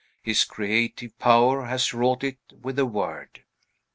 His creative power has wrought it with a word.